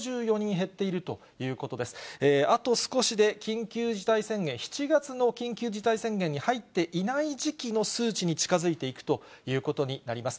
あと少しで緊急事態宣言、７月の緊急事態宣言に入っていない時期の数値に近づいていくということになります。